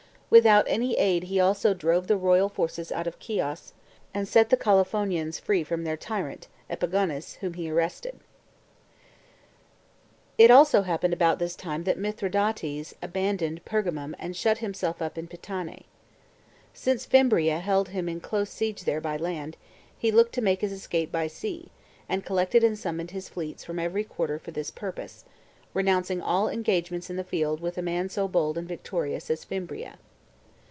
With out any aid he also drove the royal forces out of Chios,! and set the Colophonians free from their tyrant, Epigonus, whom he arrested. It happened about this time that Mithridates abandoned Pergamum and shut himself up in Pitané. Since Fimbria held him in close siege there by land, he looked to make his escape by sea, and collected and summoned his fleets from every quarter for this purpose, renouncing all engagements in the field with a man so bold and victorious as Fimbria.